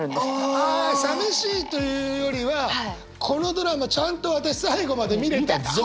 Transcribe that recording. ああさみしいというよりはこのドラマちゃんと私最後まで見れたぞ！